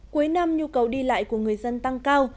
cuối năm nhu cầu đi lại của người dân tăng cao